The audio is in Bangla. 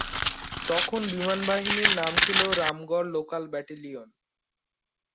তখন বাহিনীর নাম ছিল রামগড় লোকাল ব্যাটালিয়ন।